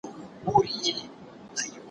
نيمچه ملا سړی کفر ته باسي.